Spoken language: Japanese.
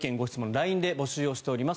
ＬＩＮＥで募集しています。